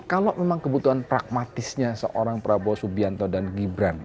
kalau memang kebutuhan pragmatisnya seorang prabowo subianto dan gibran